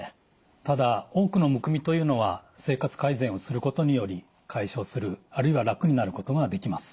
ただ多くのむくみというのは生活改善をすることにより解消するあるいは楽になることができます。